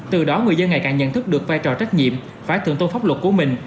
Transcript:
từ đó người dân ngày càng nhận thức được vai trò trách nhiệm phải thượng tôn pháp luật của mình